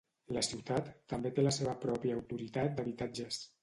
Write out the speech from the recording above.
La ciutat també té la seva pròpia autoritat d'habitatges.